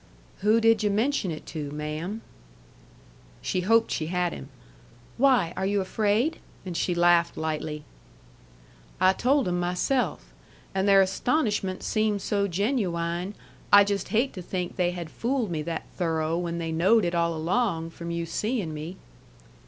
"Who did yu' mention it to, ma'am?" She hoped she had him. "Why, are you afraid?" And she laughed lightly. "I told 'em myself. And their astonishment seemed so genu wine I'd just hate to think they had fooled me that thorough when they knowed it all along from you seeing me."